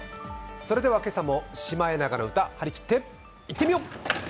それでは今朝も「シマエナガの歌」張り切っていってみよう！